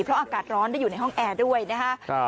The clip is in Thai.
เพราะอากาศร้อนได้อยู่ในห้องแอร์ด้วยนะครับ